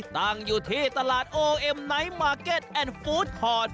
ตั้งอยู่ที่ตลาดโอเอ็มไนท์มาร์เก็ตแอนดฟู้ดคอร์ด